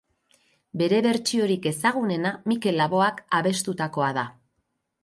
Bere bertsiorik ezagunena Mikel Laboak abestutakoa da.